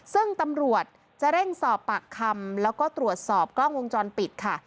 ซึ่งตำรวจจะเร่งสอบปากคำแล้วก็ตรวจสอบกล้องวงจรปิดค่ะ